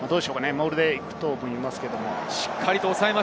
モールで行くと思います。